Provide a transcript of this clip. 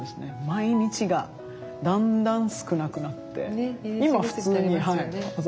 毎日がだんだん少なくなって今普通に朝起きて。